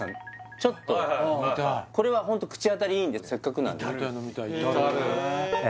ちょっと飲みたいこれはホント口当たりいいんでせっかくなんであとで飲みたいえ